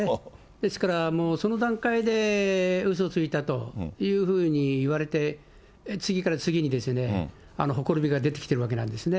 ですから、その段階で、うそをついたというふうに言われて、次から次にほころびが出てきてるわけなんですね。